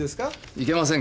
いけませんか。